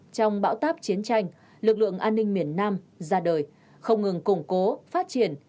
trong bão táp chiến tranh lực lượng an ninh miền nam ra đời không ngừng củng cố phát triển